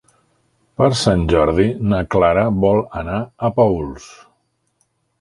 Per Sant Jordi na Clara vol anar a Paüls.